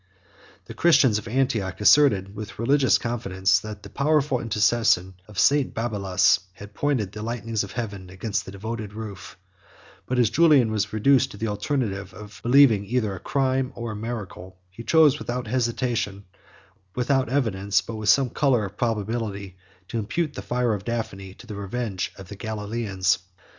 The Christians of Antioch asserted, with religious confidence, that the powerful intercession of St. Babylas had pointed the lightnings of heaven against the devoted roof: but as Julian was reduced to the alternative of believing either a crime or a miracle, he chose, without hesitation, without evidence, but with some color of probability, to impute the fire of Daphne to the revenge of the Galilæans.